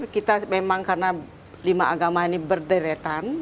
kita memang karena lima agama ini berderetan